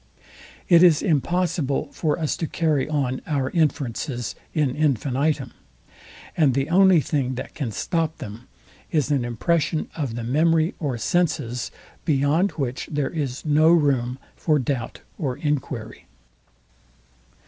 It is impossible for us to carry on our inferences IN INFINITUM; and the only thing, that can stop them, is an impression of the memory or senses, beyond which there is no room for doubt or enquiry.